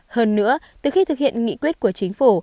hơn nữa từ khi thực hiện nghị quyết của chính phủ